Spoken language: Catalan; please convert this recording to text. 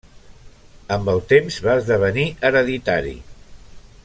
Amb el temps va esdevenir hereditari.